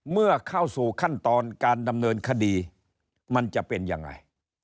เมื่อเข้าสู่ขั้นตอนการดำเนินคดีมันจะเป็นยังไง